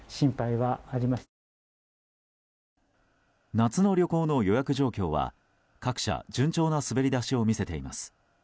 夏の旅行の予約状況は各社、順調な滑り出しを見せています。